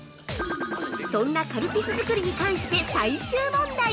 ◆そんなカルピス作りに関して最終問題。